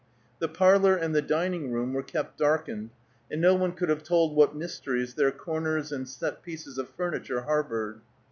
The parlor and the dining room were kept darkened, and no one could have told what mysteries their corners and set pieces of furniture harbored.